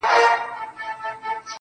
که ژوند راکوې.